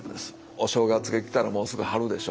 お正月が来たらもうすぐ春でしょ。